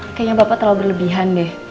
kayaknya bapak terlalu berlebihan deh